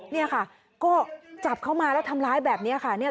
นี่ค่ะก็จับเข้ามาแล้วทำร้ายแบบนี้ค่ะ